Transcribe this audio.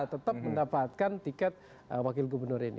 tetap mendapatkan tiket wakil gubernur ini